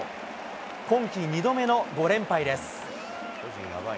今季２度目の５連敗です。